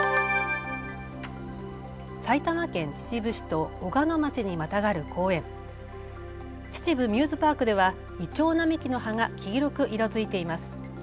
埼玉県秩父市と小鹿野町にまたがる公園、秩父ミューズパークではイチョウ並木の葉が黄色く色づいています。